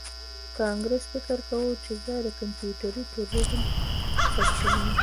کانګرس فکر کاوه چې زه د کمپیوټري تروریزم سرچینه یم